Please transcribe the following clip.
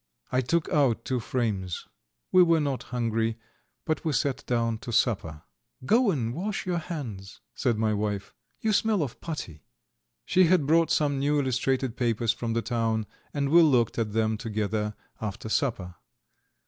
I took out two frames. We were not hungry, but we sat down to supper. "Go and wash your hands," said my wife; "you smell of putty." She had brought some new illustrated papers from the town, and we looked at them together after supper.